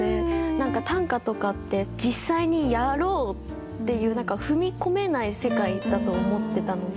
何か短歌とかって実際に「やろう！」っていう何か踏み込めない世界だと思ってたので。